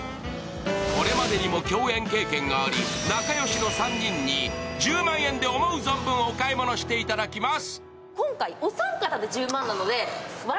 これまでにも共演経験があり仲良しの３人に１０万円で思う存分お買い物していただきます。